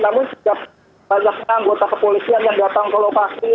namun sejak banyaknya anggota kepolisian yang datang ke lokasi